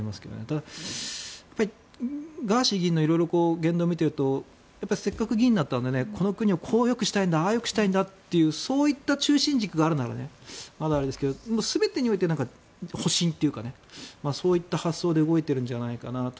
ただ、やっぱりガーシー議員の色々、言動を見ているとせっかく議員になったのでこの国をこうよくしたいんだああよくしたいんだというそういった中心軸があるならあれですけど全てにおいて保身というかそういった発想で動いているんじゃないかなと。